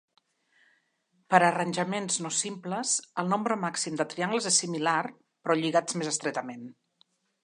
Per a arranjaments no simples, el nombre màxim de triangles és similar, però lligats més estretament.